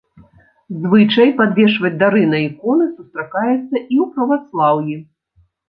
Звычай падвешваць дары на іконы сустракаецца і ў праваслаўі.